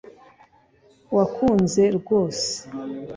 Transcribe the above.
Wakunze rwose